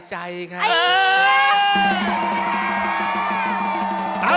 ใช่นี่หน่า